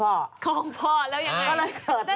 ห้องพ่อแล้วยังไง